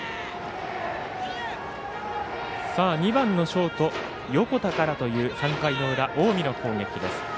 ２番のショート横田からという３回の裏、近江の攻撃です。